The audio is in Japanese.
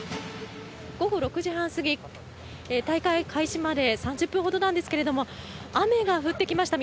午後６時半過ぎ大会開始まで３０分ほどなんですけど雨が降ってきました。